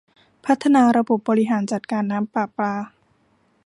พัฒนาระบบบริหารจัดการน้ำประปา